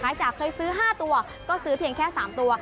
จากเคยซื้อ๕ตัวก็ซื้อเพียงแค่๓ตัว